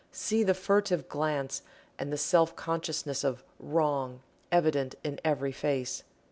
See the furtive glance and the self consciousness of "Wrong" evident in every face.